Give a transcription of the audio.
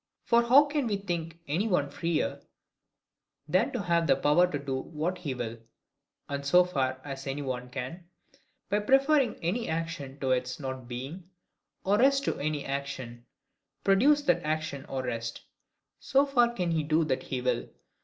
For how can we think any one freer, than to have the power to do what he will? And so far as any one can, by preferring any action to its not being, or rest to any action, produce that action or rest, so far can he do what he will.